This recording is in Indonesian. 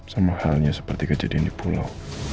sama halnya seperti kejadian di pulau